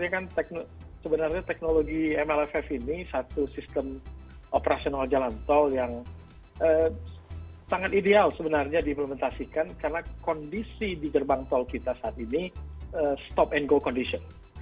ini kan sebenarnya teknologi mlff ini satu sistem operasional jalan tol yang sangat ideal sebenarnya diimplementasikan karena kondisi di gerbang tol kita saat ini stop and go condition